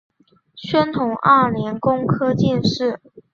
宣统二年工科进士。